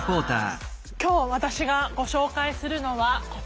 今日私がご紹介するのはこちら。